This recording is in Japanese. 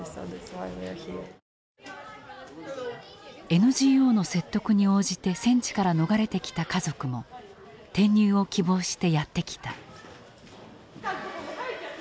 ＮＧＯの説得に応じて戦地から逃れてきた家族も転入を希望してやって来た。